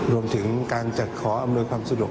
รวมถึงการจัดขออำนวยความสะดวก